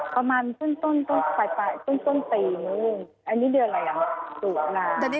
ประมาณประมาณ